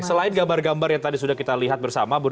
selain gambar gambar yang tadi sudah kita lihat bersama